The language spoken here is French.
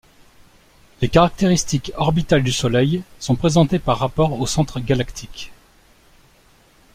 Les caractéristiques orbitales du Soleil sont présentées par rapport au Centre Galactique.